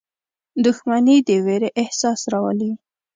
• دښمني د ویرې احساس راولي.